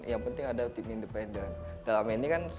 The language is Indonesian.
yang penting ada tim independen